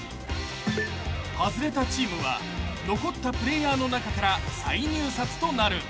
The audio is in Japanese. ［外れたチームは残ったプレーヤーの中から再入札となる］